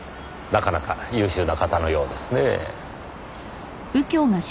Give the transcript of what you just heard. なかなか優秀な方のようですねぇ。